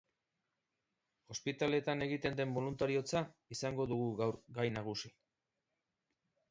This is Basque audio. Ospitaleetan egiten den boluntariotza izango dugu gaur gai nagusi.